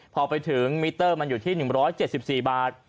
พอไปถึงมิเตอร์มันอยู่ที่๑๗๔บาท